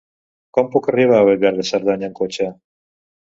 Com puc arribar a Bellver de Cerdanya amb cotxe?